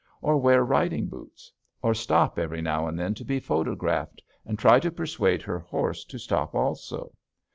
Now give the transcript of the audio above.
Or wear riding boots. Or stop every now and then to be photographed, and try to persuade her horse to stop also.